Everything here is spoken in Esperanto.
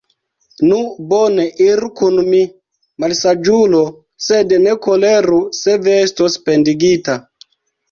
Nu, bone, iru kun mi, malsaĝulo, sed ne koleru, se vi estos pendigita!